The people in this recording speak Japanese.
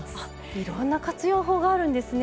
いろんな活用法があるんですね。